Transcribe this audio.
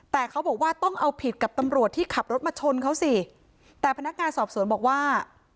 แต่เขาบอกว่าต้องเอาผิดกับตำรวจที่ขับรถมาชนเขาสิแต่พนักงานสอบสวนบอกว่า